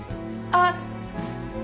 あっ。